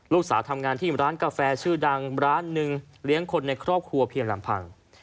ทำงานที่ร้านกาแฟชื่อดังร้านหนึ่งเลี้ยงคนในครอบครัวเพียงลำพัง